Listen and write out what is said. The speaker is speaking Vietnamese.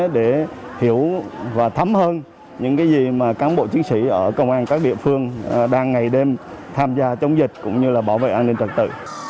để hiểu và thấm hơn những cái gì mà cán bộ chiến sĩ ở công an các địa phương đang ngày đêm tham gia chống dịch cũng như là bảo vệ an ninh trật tự